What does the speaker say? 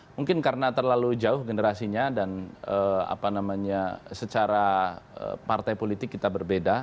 mungkin karena terlalu jauh generasinya dan secara partai politik kita berbeda